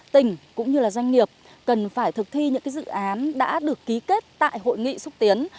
tỉnh cũng như doanh nghiệp cần phải thực thi những dự án đã được ký kết tại hội nghị xúc tiến